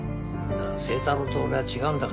だから星太郎と俺は違うんだから。